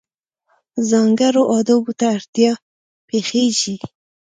ځانګړو آدابو ته اړتیا پېښېږي.